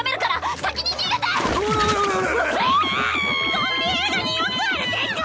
ゾンビ映画によくある展開！